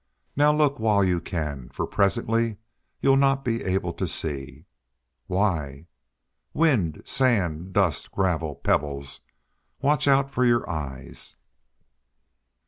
Now, look while you can, for presently you'll not be able to see." "Why?" "Wind, sand, dust, gravel, pebbles watch out for your eyes!"